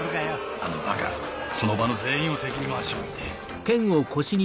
あのバカこの場の全員を敵に回しおって。